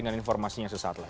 dengan informasinya sesaat lain